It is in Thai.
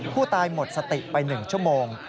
ผู้ตายหมดสติไป๑ชั่วโมง